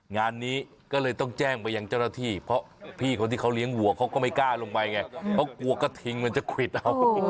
งานนี้ก็เลยต้องแจ้งไปยังเจ้าหน้าที่เพราะพี่คนที่เขาเลี้ยงวัวเขาก็ไม่กล้าลงไปไงเขากลัวกระทิงมันจะควิดเอา